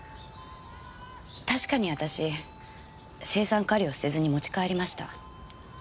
確かに私青酸カリを捨てずに持ち帰りました。